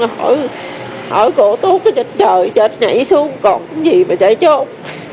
hỏi cổ tốt chạy trời chạy nhảy xuống còn gì mà chạy trốn